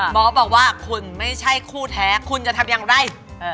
บอกว่าคุณไม่ใช่คู่แท้คุณจะทำอย่างไร